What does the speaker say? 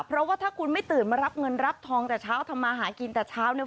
เพราะว่าถ้าคุณไม่ตื่นมารับเงินรับทองแต่เช้าทำมาหากินแต่เช้าเนี่ย